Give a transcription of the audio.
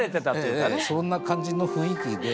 そんな感じの雰囲気で。